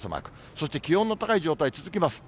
そして、気温の高い状態、続きます。